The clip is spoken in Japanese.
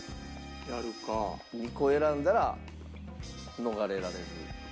２個選んだら逃れられる。